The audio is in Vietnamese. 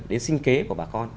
đến sinh kế của bà con